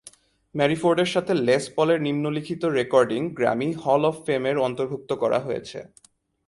Mary ফোর্ডের সাথে Les পলের নিম্নলিখিত রেকর্ডিং গ্র্যামি হল অফ ফেমের অর্ন্তভুক্ত করা হয়েছে।